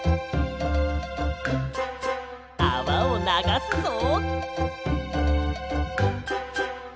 あわをながすぞ！